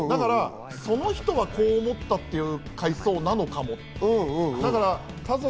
その人はこう思ったという回想なのかも。